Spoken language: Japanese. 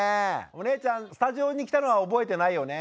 お姉ちゃんスタジオに来たのは覚えてないよね？